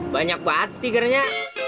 banyak banget stikernya